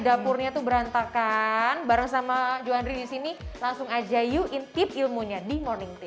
dapurnya tuh berantakan bareng sama juandri disini langsung aja yu in tip ilmunya di morning tips